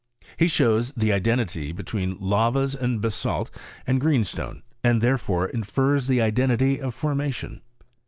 He shows the identity between lavas and basalt and greenstone, and therefore infers the identity of for mation.